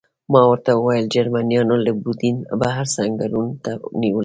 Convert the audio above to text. ما ورته وویل: جرمنیانو له یوډین بهر سنګرونه نیولي.